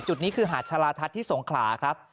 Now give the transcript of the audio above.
จุดนี้คือหาดชาลาทัศน์ที่สงขลาครับ